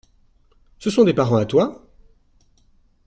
Ce sont des parents à toi ?